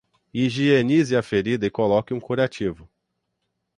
Higienize a ferida e coloque um curativo